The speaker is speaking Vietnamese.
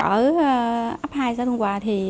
ở ấp hai sở thuận hòa